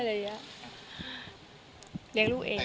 เลี้ยงลูกเอง